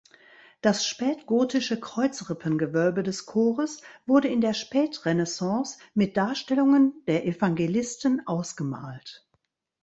Das spätgotische Kreuzrippengewölbe des Chores wurde in der Spätrenaissance mit Darstellungen der Evangelisten ausgemalt.